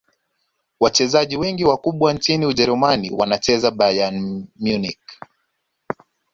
wachezaji wengi wakubwa nchini ujerumani wanacheza bayern munich